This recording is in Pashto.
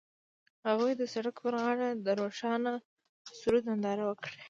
هغوی د سړک پر غاړه د روښانه سرود ننداره وکړه.